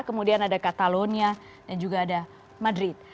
kemudian ada katalonia dan juga ada madrid